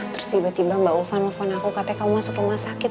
terus tiba tiba mbak ulvan nelfon aku katanya kamu masuk rumah sakit